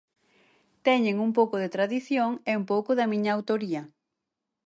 Teñen un pouco de tradición e un pouco da miña autoría.